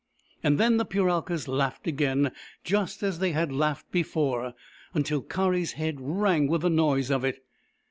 Then the Puralkas laughed again, just as they had laughed before, until Kari's head rang with the noise of it.